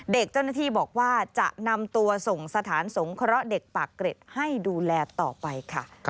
เจ้าหน้าที่บอกว่าจะนำตัวส่งสถานสงเคราะห์เด็กปากเกร็ดให้ดูแลต่อไปค่ะ